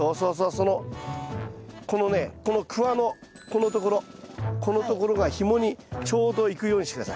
そのこのねこのクワのこのところこのところがひもにちょうどいくようにして下さい。